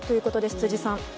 辻さん。